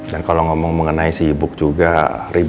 dan kalau ngomong mengenai sibuk juga ribet